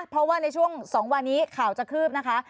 เพราะว่าในช่วง๒วันนี้ข่าวจะคืบนะคะ